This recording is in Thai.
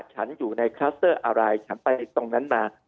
ฉันอยู่ในคลัสเตอร์อะไรฉันไปตรงนั้นมา